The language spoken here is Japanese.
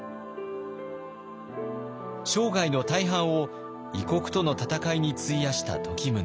生涯の大半を異国との戦いに費やした時宗。